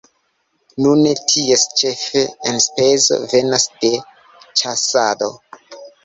Nune ties ĉefe enspezo venas de ĉasado.